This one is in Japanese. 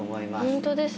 本当ですね。